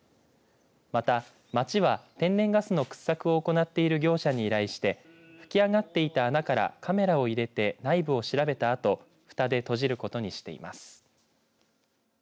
また町は天然ガスの掘削を行っている業者に依頼して噴き上がっていた穴からカメラを入れて内部を調べたあとふたで閉じることにしています。